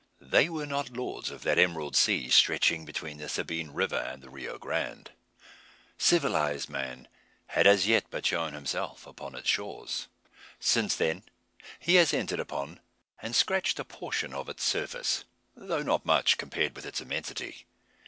They were not lords of that emerald sea stretching between the Sabine River and the Rio Grande. Civilised man had as yet but shown himself upon its shores. Since then he has entered upon, and scratched a portion of its surface; though not much, compared with its immensity.